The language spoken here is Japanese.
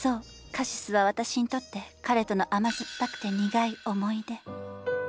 カシスは私にとって彼との甘酸っぱくて苦い思い出。